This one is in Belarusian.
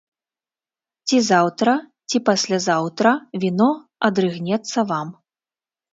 Ці заўтра, ці паслязаўтра віно адрыгнецца вам.